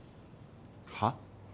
はっ？